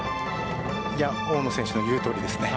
大野選手の言うとおりですね。